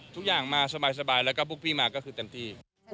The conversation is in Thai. ทุกอย่างมาสบายแล้วก็พวกพี่มาก็คือเต็มที่